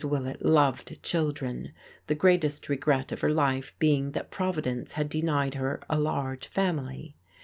Willett loved children, the greatest regret of her life being that providence had denied her a large family.